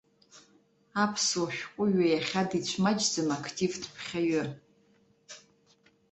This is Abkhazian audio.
Аԥсуа шәҟәыҩҩы иахьа дицәмаҷӡам ақтивтә ԥхьаҩы.